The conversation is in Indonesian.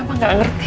apa yang terjadi